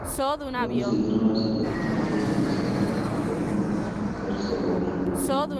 Luego siguieron las independencias de Macedonia y de Bosnia-Herzegovina.